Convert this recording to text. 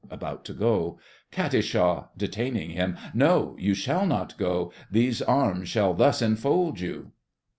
(About to go.) KAT. (detaining him). No! You shall not go, These arms shall thus enfold you!